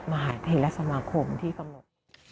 มหาเทศสมาคมที่กำหนด